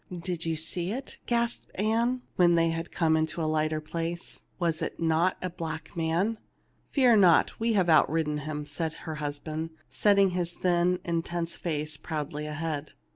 " Did you see it ?" gasped Ann, when they had come into a lighter place. " Was it not a black man ?"" Fear not ; we have outridden him," said her husband, setting his thin intense face proudly ahead.